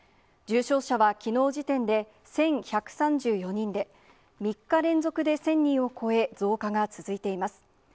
重症者はきのう時点で１１３４人で、３日連続で１０００人を超え、増加が続いています。